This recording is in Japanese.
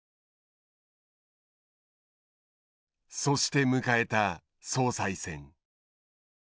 そして迎えた総裁選。